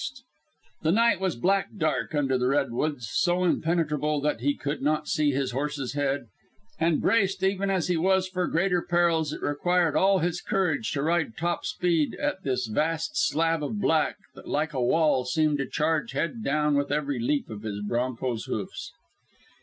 THE TRAIL The night was black dark under the redwoods, so impenetrable that he could not see his horse's head, and braced even as he was for greater perils it required all his courage to ride top speed at this vast slab of black that like a wall he seemed to charge head down with every leap of his bronco's hoofs.